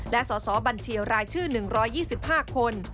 และสสบัญชีรายชื่อ๑๒๕คน